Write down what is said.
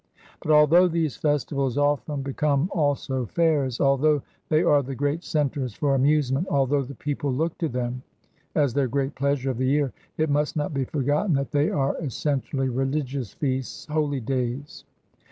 But although these festivals often become also fairs, although they are the great centres for amusement, although the people look to them as their great pleasure of the year, it must not be forgotten that they are essentially religious feasts, holy days.